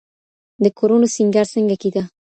د کورونو سينګار څنګه کيده؟